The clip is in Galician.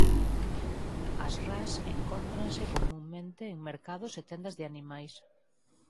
As ras encóntranse comunmente en mercados e tendas de animais.